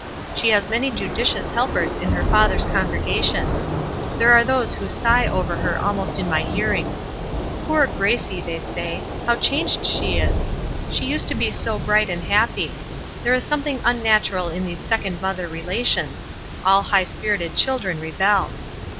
She has many judicious helpers in her father's congregation. There are those who sigh over her almost in my hearing. 'Poor Gracie' they say, 'how changed she is! She used to be so bright and happy. There is something unnatural in these second mother relations; all high spirited children rebel.'